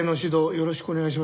よろしくお願いしますよ